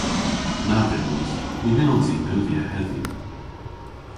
Na vynnons. Ny vynnons i neuvya hedhyw.